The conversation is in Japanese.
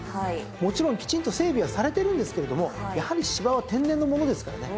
もちろんきちんと整備はされてるんですけれどもやはり芝は天然のものですからね